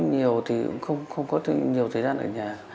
nhiều thì cũng không có nhiều thời gian ở nhà